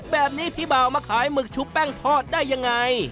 แบบนี้พี่บ่าวมาขายหมึกชุบแป้งทอดได้ยังไง